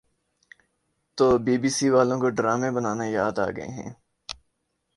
تو B B C والوں کو ڈرامے بنانا یاد آگئے ہیں